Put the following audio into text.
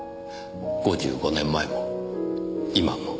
５５年前も今も。